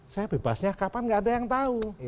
saya bebasnya kapan gak ada yang tahu